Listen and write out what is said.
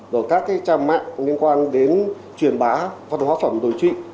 rồi các trang mạng liên quan đến truyền bá hoạt động hóa phẩm đổi trị